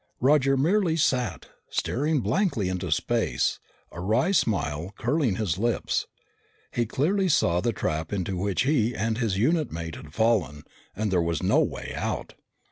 Roger merely sat, staring blankly into space, a wry smile curling his lips. He clearly saw the trap into which he and his unit mate had fallen, and there was no way out.